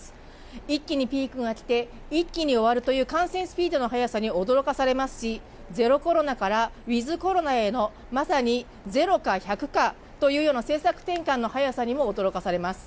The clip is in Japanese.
一気にピークが来て、一気に終わるという感染スピードの速さに驚かされますし、ゼロコロナからウィズ・コロナへのまさにゼロか１００かという政策転換の早さにも驚かされます。